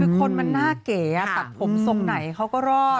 คือคนมันหน้าเก๋ตัดผมทรงไหนเขาก็รอด